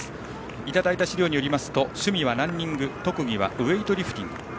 いただいた資料によりますと趣味はランニング特技はウエイトリフティング。